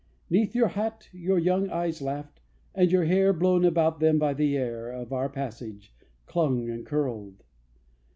'Neath your hat, Your young eyes laughed; and your hair, Blown about them by the air Of our passage, clung and curled.